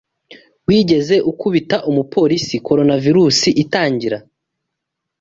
Wigeze ukubita umupolice Coronavirus itangira